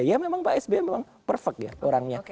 ya memang pak sby memang perfect ya orangnya